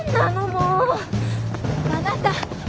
あなた！